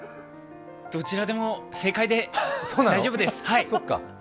どちらでも正解で大丈夫です。